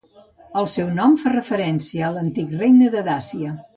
El seu nom fa referència a l'antic regne de Dàcia.